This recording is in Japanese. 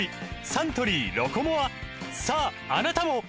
サントリー「ロコモア」さああなたも！